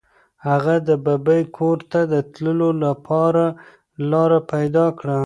هغه د ببۍ کور ته د تللو لپاره لاره پیدا کړه.